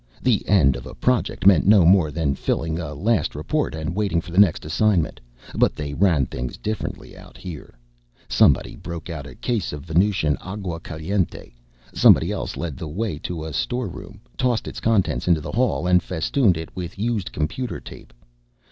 The end of a Project meant no more than filing a last report and waiting for the next assignment, but they ran things differently out here. Somebody broke out a case of Venusian aguacaliente. Somebody else led the way to a storeroom, tossed its contents into the hall, and festooned it with used computer tape.